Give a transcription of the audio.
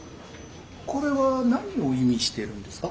これは何を意味してるんですか？